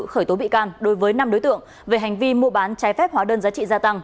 khởi tố bị can đối với năm đối tượng về hành vi mua bán trái phép hóa đơn giá trị gia tăng